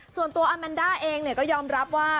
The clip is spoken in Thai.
ส่วนตัวอาแมนด้าเองก็ยอมรับว่า